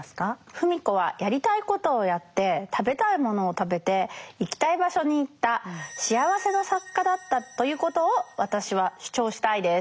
芙美子はやりたいことをやって食べたいものを食べて行きたい場所に行った「幸せな作家」だったということを私は主張したいです。